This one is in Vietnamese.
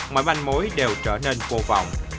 mọi manh mối đều trở nên vô vọng